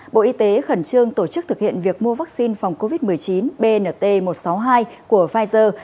bộ y tế khẩn trương tổ chức thực hiện việc mua vaccine phòng covid một mươi chín bnt một trăm sáu mươi hai của pfizer